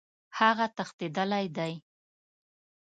هغه تښتېدلی دی.